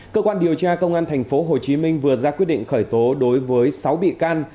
cơ quan điều tra công an tp hcm vừa ra quyết định khởi tố đối với sáu bị can